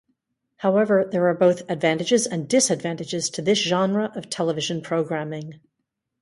However, there are both advantages and disadvantages to this genre of television programming.